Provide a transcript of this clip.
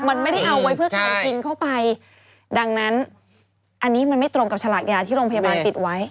มันไม่ได้เอาไว้เพื่อการกินเข้าไปดังนั้นอันนี้มันไม่ตรงกับฉลากยาที่โรงพยาบาลติดไว้